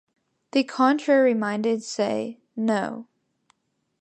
The contrary minded say 'No.'